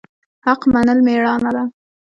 حق منل میړانه ده